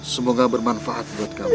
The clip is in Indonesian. semoga bermanfaat buat kamu